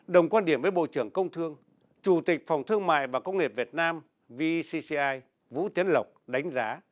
đồng quan điểm với bộ trưởng công thương chủ tịch phòng thương mại và công nghiệp việt nam vcci vũ tiến lộc đánh giá